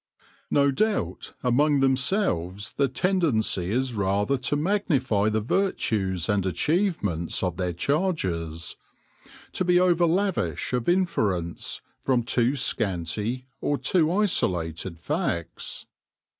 No doubt, among themselves the tendency is rather to magnify the virtues and achievements of their charges ; to be over lavish of inference from too scanty or too isolated facts.